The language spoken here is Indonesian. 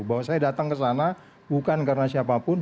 bahwa saya datang ke sana bukan karena siapapun